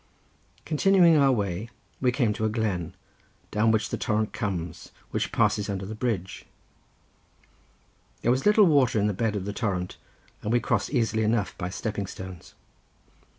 Continuing our way we came to a glen, down which the torrent comes which passes under the bridge. There was little water in the bed of the torrent, and we crossed easily enough by stepping stones.